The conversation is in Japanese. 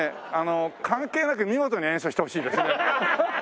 関係なく見事に演奏してほしいですね。